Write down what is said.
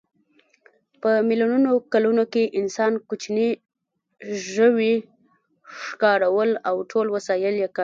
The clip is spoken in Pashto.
په میلیونو کلونو کې انسان کوچني ژوي ښکارول او ټول وسایل یې کارول.